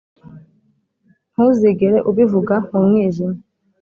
ntuzigere ubivuga mu mwijima